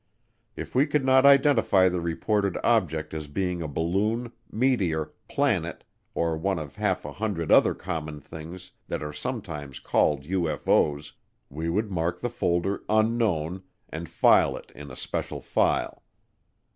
If we could not identify the reported object as being a balloon, meteor, planet, or one of half a hundred other common things that are sometimes called UFO's, we would mark the folder "Unknown" and file it in a special file.